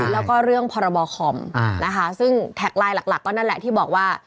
แล้วก็เรื่องพรบคอมนะคะซึ่งแท็กไลน์หลักก็นั่นแหละที่บอกว่า